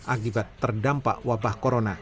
akibat terdampak wabah